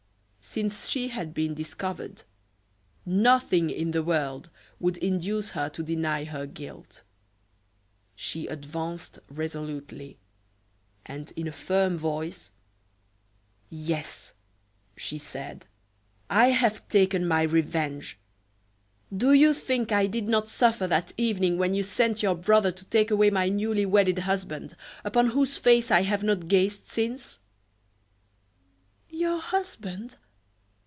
Since she had been discovered, nothing in the world would induce her to deny her guilt. She advanced resolutely, and in a firm voice: "Yes," she said, "I have taken my revenge. Do you think I did not suffer that evening when you sent your brother to take away my newly wedded husband, upon whose face I have not gazed since?" "Your husband!